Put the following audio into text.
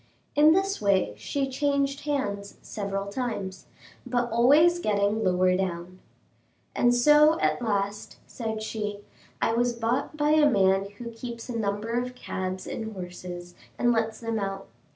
In this way she changed hands several times, but always getting lower down. "And so at last," said she, "I was bought by a man who keeps a number of cabs and horses, and lets them out.